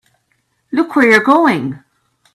Look where you're going!